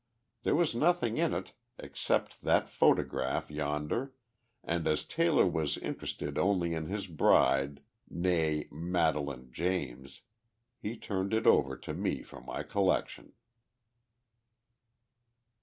There was nothing in it except that photograph yonder, and, as Taylor was interested only in his bride, née Madelaine James, he turned it over to me for my collection."